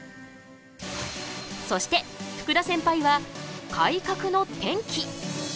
そして福田センパイは「改革の転機」。